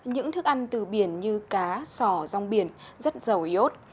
những thức ăn từ biển như cá sò rong biển rất giàu y ốt